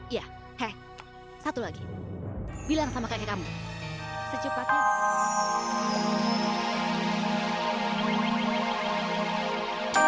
iya hei satu lagi bilang sama kakek kamu secepatnya